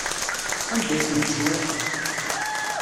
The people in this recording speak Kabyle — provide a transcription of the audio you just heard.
Anda ay ten-teswiḍ?